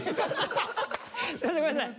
すいませんごめんなさい。